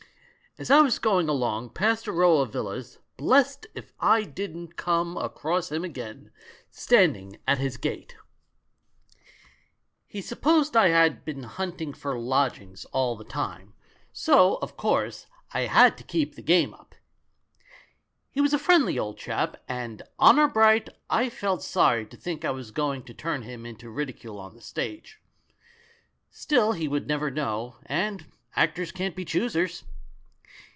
As I was going along, past a row of villas, blest if I didn't come across him again, standing at his gate ! "He supposed I had been hunting for lodgings all the time, so, of course, I had to keep the game up. He was a friendly old chap and, honour bright, I felt sorry to think I was going to turn him into ridicule on the stage. Still he would never know, and actors can't be choosers.